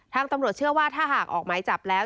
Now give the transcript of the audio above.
ตำรวจเชื่อว่าถ้าหากออกหมายจับแล้ว